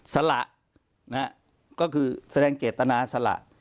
สละก็คือแสดงเจตนาสละ